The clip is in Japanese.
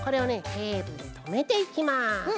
テープでとめていきます。